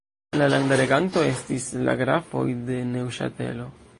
La landa reganto estis la grafoj de Neŭŝatelo.